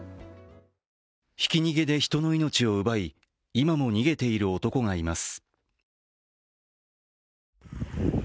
ひき逃げで人の命を奪い、今も逃げている男がいます。